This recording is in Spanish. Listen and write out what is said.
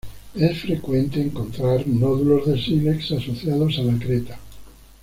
Es frecuente encontrar nódulos de sílex asociados a la creta.